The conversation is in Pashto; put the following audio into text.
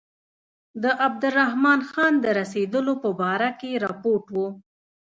د عبدالرحمن خان د رسېدلو په باره کې رپوټ و.